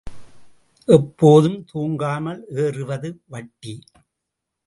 எப்போதும் தூங்காமல் ஏறுவது வட்டி.